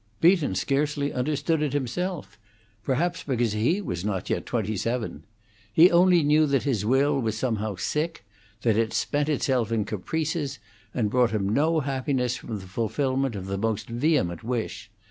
Beaton scarcely understood it himself, perhaps because he was not yet twenty seven. He only knew that his will was somehow sick; that it spent itself in caprices, and brought him no happiness from the fulfilment of the most vehement wish.